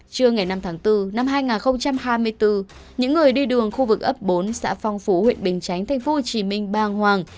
trưa ngày năm tháng bốn năm hai nghìn hai mươi bốn những người đi đường khu vực ấp bốn xã phong phú huyện bình chánh thành phố hồ chí minh bang hoàng